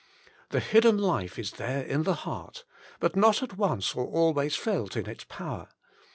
The hidden life is there in the heart, but not at once or always felt in its power.